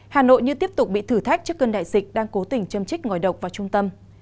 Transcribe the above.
hà nội như tiếp tục bị thử thách trước cơn đại dịch đang cố tình châm trích ngòi độc vào trung tâm